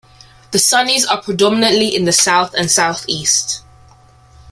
The Sunnis are predominantly in the south and southeast.